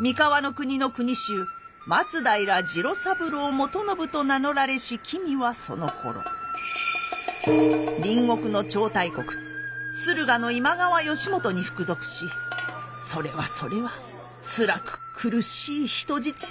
三河国の国衆松平次郎三郎元信と名乗られし君はそのころ隣国の超大国駿河の今川義元に服属しそれはそれはつらく苦しい人質生活を送っておられました。